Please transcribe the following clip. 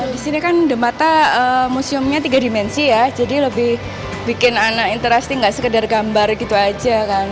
di sini kan the mata museumnya tiga dimensi ya jadi lebih bikin anak interesting gak sekedar gambar gitu aja kan